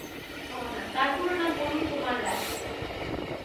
তার পুরো নাম অরুণ কুমার রায়।